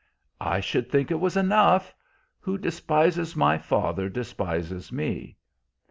"I should think it was enough. Who despises my father despises me."